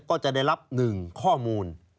ก็จะได้รับหนึ่งข้อมูล